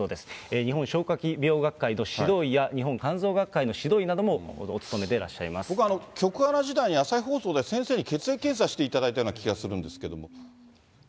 日本消化器病学会の指導医や日本肝臓学会の指導医などもお務めで僕は局アナ時代に朝日放送で先生に血液検査していただいたような気がするんですけれども。